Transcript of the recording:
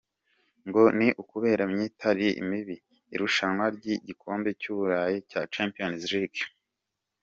Ngo ni ukubera myitarire mibi mu irushanwa ry'igikombe cy'Uburayi, Champions League.